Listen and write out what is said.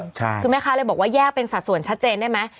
คือแม่ค้าเลยบอกว่าแยกเป็นสัดส่วนชัดเจนได้ไหม